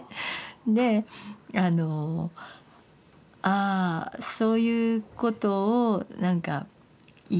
であのああそういうことを何か言えないんだって。